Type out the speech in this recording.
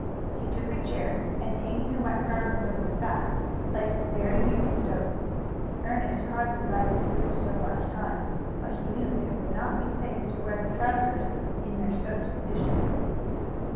He took a chair and, hanging the wet garments over the back, placed it very near the stove. Ernest hardly liked to lose so much time, but he knew that it would not be safe to wear the trousers in their soaked condition.